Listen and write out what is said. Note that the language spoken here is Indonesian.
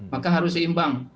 maka harus seimbang